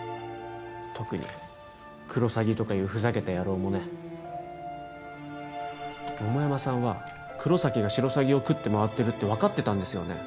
特にクロサギとかいうふざけた野郎もね桃山さんは黒崎がシロサギを喰ってまわってるって分かってたんですよね？